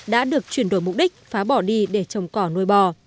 đã được chuyển đổi mục đích phá bỏ đi để trồng cỏ nuôi bò